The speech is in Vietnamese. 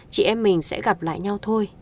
chị em mình sẽ gặp lại nhau thôi